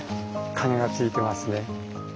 「金」がついてますね。